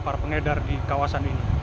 para pengedar di kawasan ini